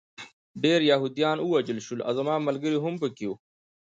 ډېر یهودان ووژل شول او زما ملګري هم پکې وو